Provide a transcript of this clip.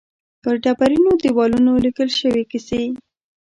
پر ډبرینو دېوالونو لیکل شوې کیسې.